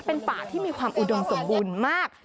เป็นป่าที่มีความอุดมสมบูรณ์มาก